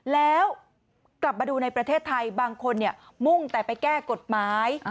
แล้วกลับมาดูในประเทศไทยบางคนมุ่งแต่ไปแก้กฎหมาย